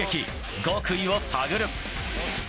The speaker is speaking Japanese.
極意を探る。